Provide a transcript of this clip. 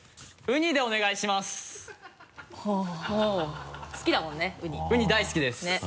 ウニ大好きです！ねぇ。